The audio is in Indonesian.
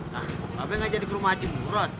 nah kenapa gak jadi ke rumah aja burun